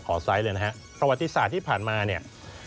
ไซส์เลยนะฮะประวัติศาสตร์ที่ผ่านมาเนี่ย